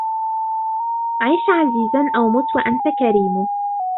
عش عزيزا أو مت وأنت كريم